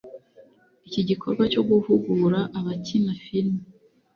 Iki gikorwa cyo guhugura abakina filime